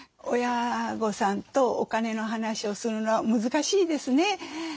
親御さんとお金の話をするのは難しいですね。